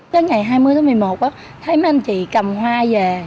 chớ ngày hai mươi một mươi một á thấy mấy anh chị cầm hoa về